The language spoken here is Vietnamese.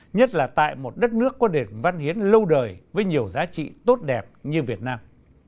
nhất là tại một đất nước có nền văn hiến lâu đời với nhiều giá trị tốt đẹp như việt nam